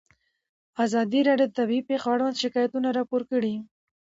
ازادي راډیو د طبیعي پېښې اړوند شکایتونه راپور کړي.